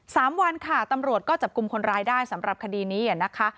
สามวันค่ะตำรวจก็จับกลุ่มคนร้ายได้สำหรับคดีนี้อ่ะนะคะ